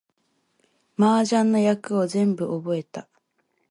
麻雀の役を全部覚えた